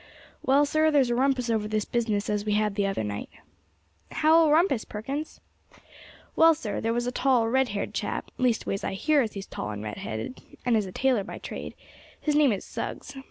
"Well sir, there's a rumpus over this business as we had the other night." "How a rumpus, Perkins?" "Well, sir, there was a tall red haired chap leastways I hear as he's tall and red headed, and is a tailor by trade; his name is Suggs.